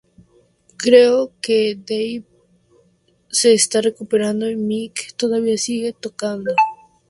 Creo que Dave se está recuperando y Mick todavía sigue tocando.